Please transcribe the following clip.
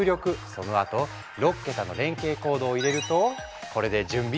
そのあと６桁の連携コードを入れるとこれで準備ＯＫ！